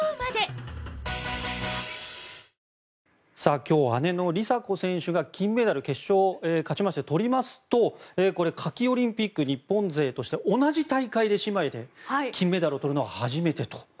今日、姉の梨紗子選手が決勝勝ちまして金メダル取りますと夏季オリンピック日本勢としては同じ大会で姉妹で金メダルをとるのは初めてと。